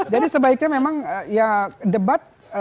jadi sebaiknya memang ya debat